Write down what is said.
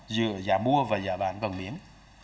giữa giá mua và giá bán vàng miếng